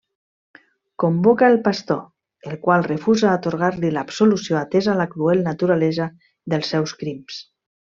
Convoca el pastor, el qual refusa atorgar-li l'absolució atesa la cruel naturalesa dels seus crims.